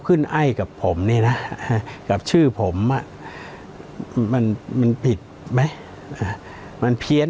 ขึ้นไอกับผมเนี่ยนะกับชื่อผมอ่ะมันมันผิดไหมมันเพี้ยน